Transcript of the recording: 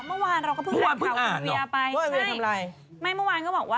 เมื่อก่อนนี้อะอยู่ที่เหลือบนอบ